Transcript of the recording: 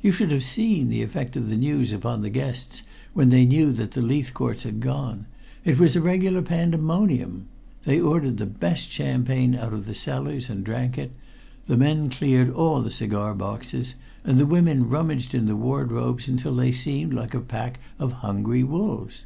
You should have seen the effect of the news upon the guests when they knew that the Leithcourts had gone. It was a regular pandemonium. They ordered the best champagne out of the cellars and drank it, the men cleared all the cigar boxes, and the women rummaged in the wardrobes until they seemed like a pack of hungry wolves.